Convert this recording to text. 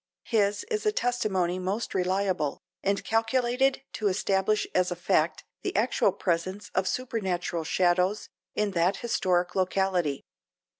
His is a testimony most reliable, and calculated to establish as a fact the actual presence of supernatural shadows in that historic locality.